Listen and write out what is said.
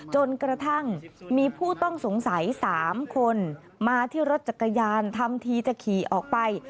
จนกระทั่งมีผู้ต้องสงสัย๓คนมาที่รถจักรยานทำทีจะขี่ออกไป